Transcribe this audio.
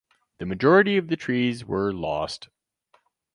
The majority of the trees were lost.